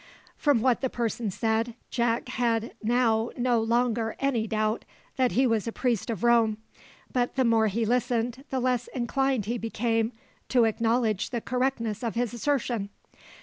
From what the person said, Jack had now no longer any doubt that he was a priest of Rome; but the more he listened the less inclined he became to acknowledge the correctness of his assertion.